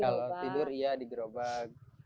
kalau tidur iya di gerobak